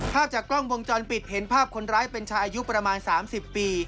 ภาพจากกล้องวงจรปิดเห็นภาพคนร้ายเป็นชายอายุประมาณ๓๐ปี